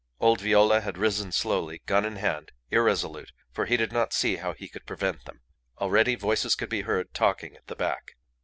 Old Viola had risen slowly, gun in hand, irresolute, for he did not see how he could prevent them. Already voices could be heard talking at the back.